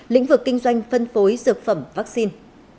lĩnh vực kinh doanh phân phối dược phẩm vắc xin